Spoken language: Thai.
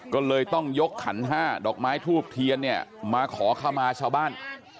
ก็เลยต้องยกขันห้าดอกไม้ทูบเทียนเนี่ยมาขอเข้ามาชาวบ้าน